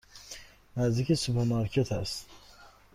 نزدیک سوپرمارکت است.